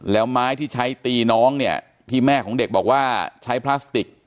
แล้วไม้ที่ใช้ตีน้องเนี่ยที่แม่ของเด็กบอกว่าใช้พลาสติก